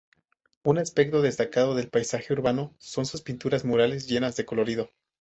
Un aspecto destacado del paisaje urbano son sus pinturas murales llenas de colorido.